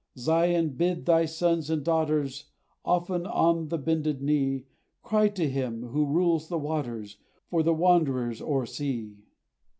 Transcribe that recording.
Zion, bid thy sons and daughters Often, on the bended knee, Cry to Him, who rules the waters, For the wanderers o'er sea!